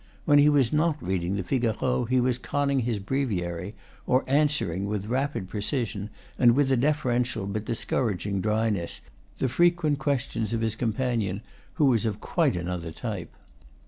When he was not reading the "Figaro" he was conning his breviary or answering, with rapid precision and with a deferential but dis couraging dryness, the frequent questions of his com panion, who was of quite another type.